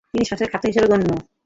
তিনি সবচেয়ে খ্যাত হিসেবে গণ্য হন।